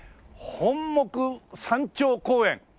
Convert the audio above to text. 本牧山頂公園。